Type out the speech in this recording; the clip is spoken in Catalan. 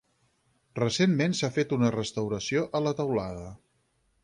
Recentment s'ha fet una restauració a la teulada.